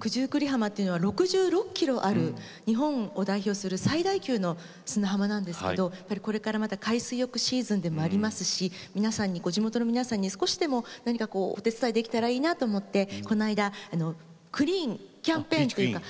九十九里浜っていうのは６６ｋｍある日本を代表する最大級の砂浜なんですけど、これから海水浴シーズンでもありますし地元の皆さんに少しでもお手伝いできたらいいなと思ってこの間クリーンキャンペーンっていうか